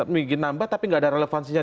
mungkin nambah tapi nggak ada relevansinya